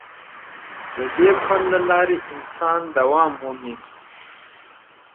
د دې پل له لارې انسان دوام مومي.